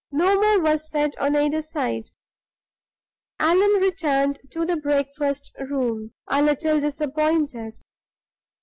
No more was said on either side. Allan returned to the breakfast room a little disappointed.